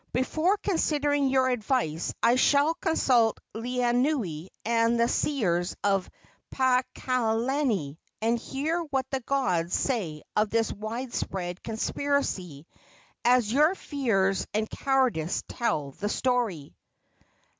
Before considering your advice I shall consult Laeanui and the seers of Paakalani, and hear what the gods say of this wide spread conspiracy, as your fears and cowardice tell the story."